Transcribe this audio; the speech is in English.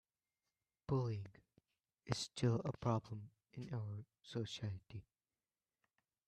Bullying is still a problem in our society.